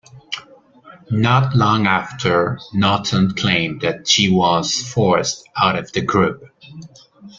Not long after, Naughton claimed that she was forced out of the group.